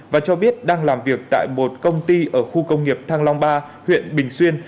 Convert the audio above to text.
và cho biết đang làm việc tại một công ty ở khu công nghiệp thăng long ba huyện bình xuyên